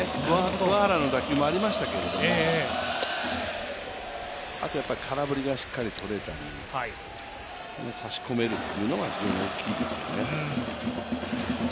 桑原の打球もありましたけど、あと空振りがしっかりとれたり、差し込めるというのが非常に大きいですよね。